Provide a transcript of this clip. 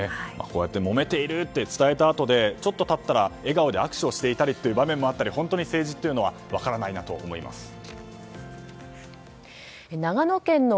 こうやってもめていると伝えたあとでちょっと経ったら笑顔で握手をしている場面もあったり本当に政治というのは分からないなと思います。